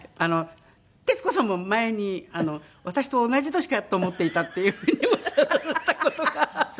徹子さんも前にあの「私と同じ年かと思っていた」っていう風におっしゃられた事があった。